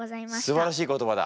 すばらしい言葉だ。